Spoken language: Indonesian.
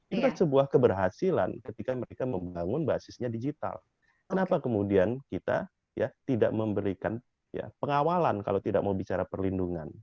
itu kan sebuah keberhasilan ketika mereka membangun basisnya digital kenapa kemudian kita tidak memberikan pengawalan kalau tidak mau bicara perlindungan